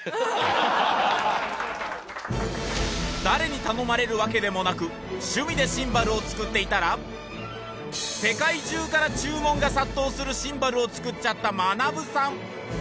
誰に頼まれるわけでもなく趣味でシンバルを作っていたら世界中から注文が殺到するシンバルを作っちゃったマナブさん。